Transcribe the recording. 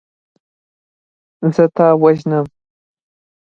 زه تا وژنم.